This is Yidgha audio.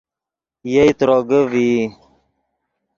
یئے تروگے ڤئی